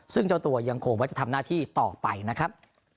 ซึ่งเจ้าตัวยังคงว่าจะทำหน้าที่ต่อไปนะครับ